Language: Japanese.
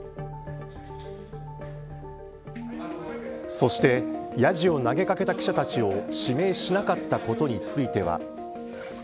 そして、やじを投げかけた記者たちを指名しなかったことについては。